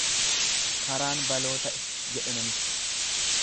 Karaan baloo ta'e jedhe namichi.